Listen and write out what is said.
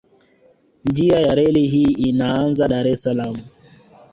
Njia ya reli hii inaanza Dar es Salaam